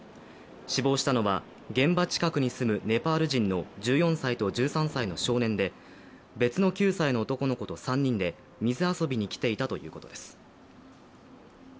死亡したのは、現場近くに住むネパール人の１４歳と１３歳の少年で別の９歳の男の子と３人で水遊びに来ていたということです。